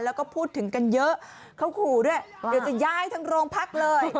แล้วก็พูดถึงกันเยอะเขาขู่ด้วยเดี๋ยวจะย้ายทั้งโรงพักเลย